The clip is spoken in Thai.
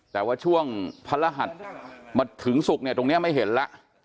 แต่ว่าช่วงพระรหัสมาถึงศุกร์เนี่ยตรงนี้ไม่เห็นแล้ว